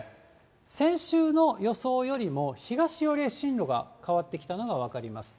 先週の予想よりも東寄りへ進路が変わってきたのが分かります。